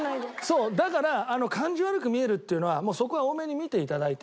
そうだから感じ悪く見えるっていうのはもうそこは大目に見て頂いて。